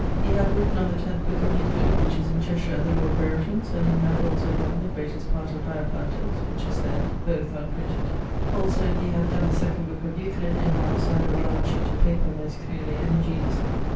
He hath written on the tenth booke of Euclid, which is in Cheshire at the lord Brereton's, and he hath also done the greatest part of Diophantus, which is there both unprinted. Also he hath donne the second booke of Euclid in one side of a large sheet of paper most clearly and ingeniously.